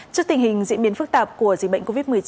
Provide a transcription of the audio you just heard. trước tình hình diễn biến phức tạp của dịch bệnh covid một mươi chín